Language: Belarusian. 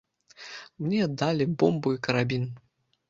Мне далі бомбу і карабін.